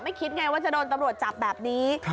คิดไงว่าจะโดนตำรวจจับแบบนี้